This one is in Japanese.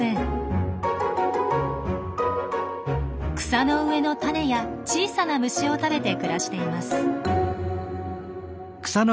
草の上の種や小さな虫を食べて暮らしています。